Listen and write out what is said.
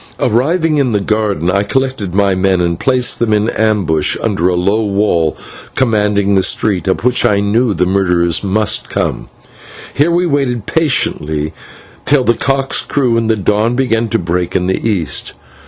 Arriving in the garden, I collected my men, and placed them in ambush under a low wall commanding the street, up which I knew the murderers must come. Here we waited patiently till the cocks crew and the dawn began to break in the east.